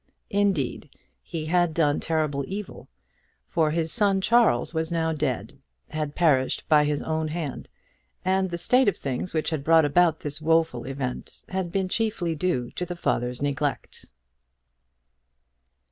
Indeed he had done terrible evil; for his son Charles was now dead, had perished by his own hand, and the state of things which had brought about this woful event had been chiefly due to the father's neglect.